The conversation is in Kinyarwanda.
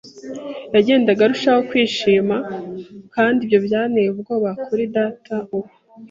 Yagendaga arushaho kwishima, kandi ibyo byanteye ubwoba kuri data, uwo